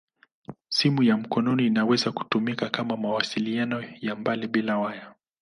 Simu ya mkononi inaweza kutumika kwa mawasiliano ya mbali bila waya.